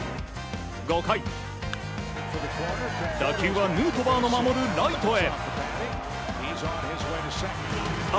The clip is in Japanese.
５回、打球はヌートバーの守るライトへ。